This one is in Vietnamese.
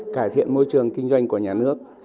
cải thiện môi trường kinh doanh của nhà nước